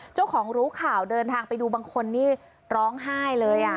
เจ้าของรู้ข่าวเดินทางไปดูบางคนนี่ร้องไห้เลย